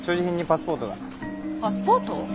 パスポート？